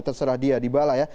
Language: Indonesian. terserah dia dybala